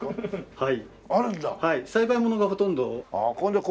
はい。